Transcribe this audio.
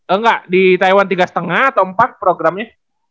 enggak di taiwan tiga lima atau empat programnya